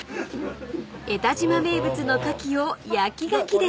［江田島名物のカキを焼きがきで］